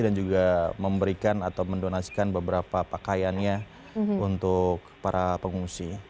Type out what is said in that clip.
dan juga memberikan atau mendonasikan beberapa pakaiannya untuk para pengungsi